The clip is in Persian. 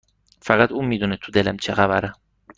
فقط اون میدونه تو دلم چه خبره